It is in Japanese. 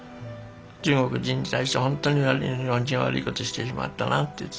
中国人に対して本当に我々日本人は悪いことしてしまったなって言ってたからね。